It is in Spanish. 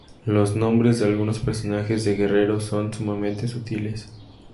Los nombres de algunos personajes de Guerrero son sumamente sutiles.